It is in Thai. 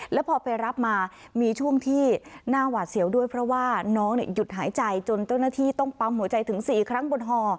แล้วพอไปรับมามีช่วงที่หน้าหวาดเสียวด้วยเพราะว่าน้องหยุดหายใจจนเจ้าหน้าที่ต้องปั๊มหัวใจถึง๔ครั้งบนห่อ